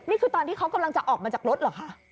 นี่คือตอนที่เขากำลังจะออกมาจากรถเหรอคะ